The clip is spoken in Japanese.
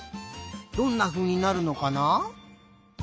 どんなふうになるのかな？